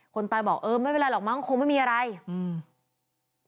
คนตายบอกเออไม่เป็นไรหรอกมั้งคงไม่มีอะไรอืม